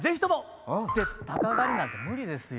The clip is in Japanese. って鷹狩りなんて無理ですよ。